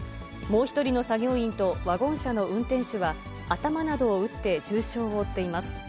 もう１人の作業員とワゴン車の運転手は、頭などを打って重傷を負っています。